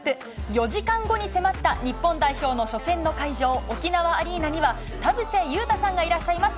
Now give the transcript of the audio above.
４時間後に迫った日本代表の初戦の会場、沖縄アリーナには、田臥勇太さんがいらっしゃいます。